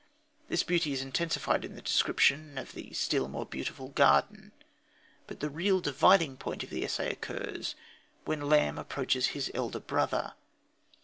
This beauty is intensified in the description of the still more beautiful garden. But the real dividing point of the essay occurs when Lamb approaches his elder brother.